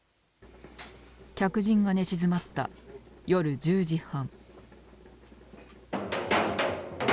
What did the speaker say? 客人が寝静まった夜１０時半。